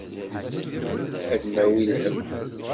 Ad d-nawi lhemm.